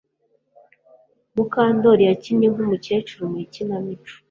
Mukandoli yakinnye nkumukecuru mu ikinamico